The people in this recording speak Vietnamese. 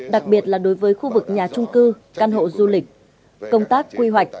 đặc biệt là đối với khu vực nhà trung cư căn hộ du lịch công tác quy hoạch